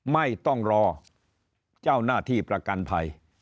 ไม่ต้องรอเจ้าหน้าที่ประกันภัย